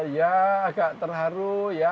ya agak terharu ya